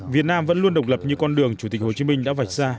việt nam vẫn luôn độc lập như con đường chủ tịch hồ chí minh đã vạch ra